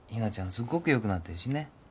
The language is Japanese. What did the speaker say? すごくよくなってるしね。